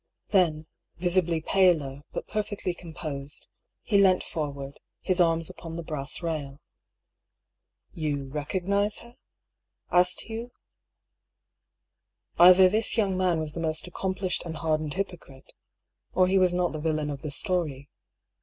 Then, visibly paler, but per fectly composed, he leant forward, his arms upon the brass rail. " You — recognize her ?" asked Hugh. Either this young man was the most accomplished and hardened hypocrite — or he was not the villain of the story.